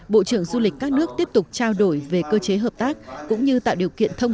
bộ trưởng du lịch các nước tiếp tục trao đổi về cơ chế hợp tác cũng như tạo điều kiện thông